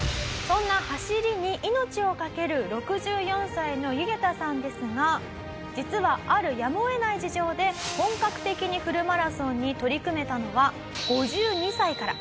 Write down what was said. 「そんな走りに命を懸ける６４歳のユゲタさんですが実はあるやむを得ない事情で本格的にフルマラソンに取り組めたのは５２歳から」